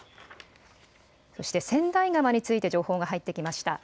そして、千代川について情報が入ってきました。